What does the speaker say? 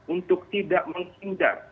untuk tidak menghindar